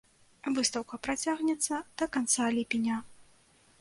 Выстаўка працягнецца да канца ліпеня.